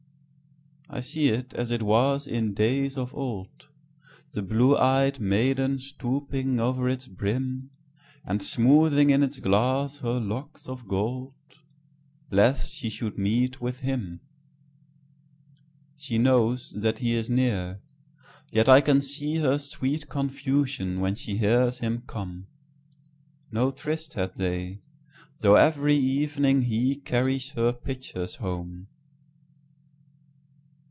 I see it as it was in days of old, The blue ey'd maiden stooping o'er its brim, And smoothing in its glass her locks of gold, Lest she should meet with him. She knows that he is near, yet I can seeHer sweet confusion when she hears him come.No tryst had they, though every evening heCarries her pitchers home.